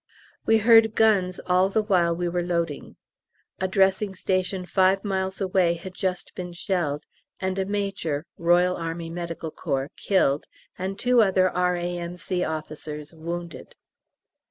We heard guns all the while we were loading. A dressing station five miles away had just been shelled, and a major, R.A.M.C., killed and two other R.A.M.C. officers wounded.